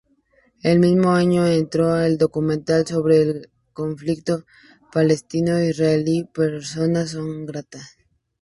El mismo año estrenó el documental sobre el conflicto palestino-israelí, "Persona non grata".